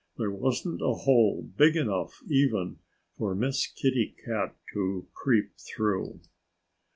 There wasn't a hole big enough even for Miss Kitty Cat to creep through.